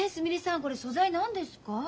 これ素材何ですか？